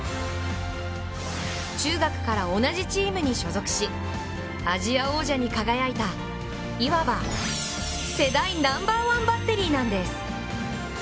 中学から同じチームに所属しアジア王者に輝いたいわば世代ナンバー１バッテリーなんです。